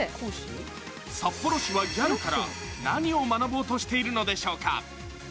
札幌市は、ギャルから何を学ぼうとしているのでしょうか。